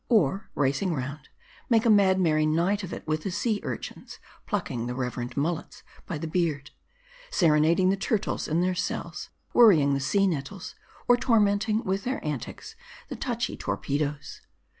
Or, racing round, make a mad merry night of it with the sea urchins : plucking the reverend mullets by the beard ; serenading the turtles in * their cells ; worrying the sea nettles ; or tormenting with their antics the touchy torpedos.